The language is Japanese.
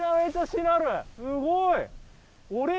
すごい！